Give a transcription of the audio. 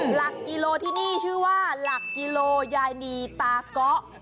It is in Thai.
หลักกิโลที่นี่ชื่อว่าหลักกิโลยายนีตาเกาะ